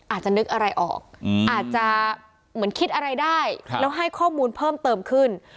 อาจจะนึกอะไรออกอาจจะเหมือนคิดอะไรได้แล้วให้ข้อมูลเพิ่มเติมขึ้น